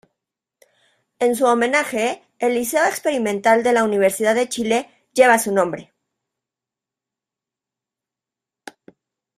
En su homenaje, el Liceo Experimental de la Universidad de Chile lleva su nombre.